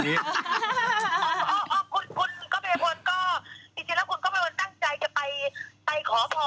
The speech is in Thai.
กับคุณก๊อฟเป็นสมพงศ์ตั้งใจจะไป